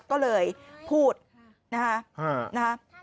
ก็เลยพูดนะครับ